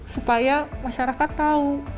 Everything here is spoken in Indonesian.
supaya masyarakat tahu